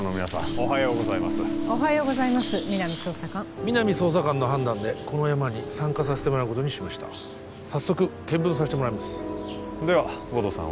おはようございますおはようございます皆実捜査官皆実捜査官の判断でこのヤマに参加させてもらうことにしました早速見分させてもらいますでは護道さん